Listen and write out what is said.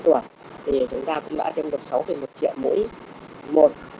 thì chúng ta cũng đã tiêm được sáu một triệu mũi một